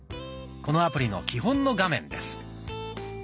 このアプリの基本の画面です。